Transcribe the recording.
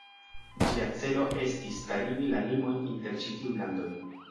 Ĝia celo estis starigi la limojn inter ĉi tiuj landoj.